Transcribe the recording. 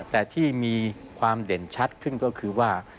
แต่ที่มีความเด่นชัดขึ้นก็คือว่า